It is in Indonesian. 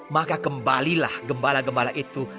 maka kembalilah gembala gembala itu